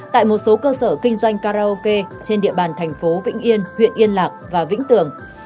tại một số cơ sở kinh doanh karaoke trên địa bàn thành phố vĩnh yên huyện yên lạc và vĩnh tường